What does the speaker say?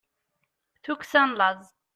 tukksa n laẓ